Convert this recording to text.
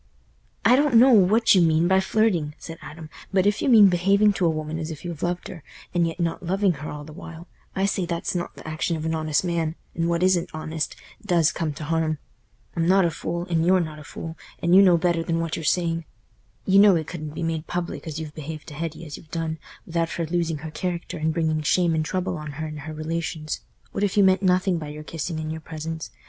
"I don't know what you mean by flirting," said Adam, "but if you mean behaving to a woman as if you loved her, and yet not loving her all the while, I say that's not th' action of an honest man, and what isn't honest does come t' harm. I'm not a fool, and you're not a fool, and you know better than what you're saying. You know it couldn't be made public as you've behaved to Hetty as y' have done without her losing her character and bringing shame and trouble on her and her relations. What if you meant nothing by your kissing and your presents?